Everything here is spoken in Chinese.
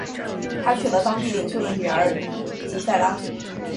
他娶了当地领袖的女儿吉塞拉。